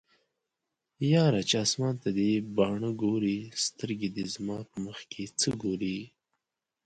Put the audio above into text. یاره چې اسمان ته دې باڼه ګوري سترګې دې زما په مخکې څه ګوري